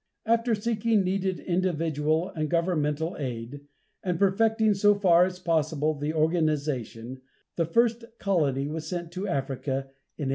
After seeking needed individual and governmental aid, and perfecting so far as possible the organization, the first colony was sent to Africa in 1820.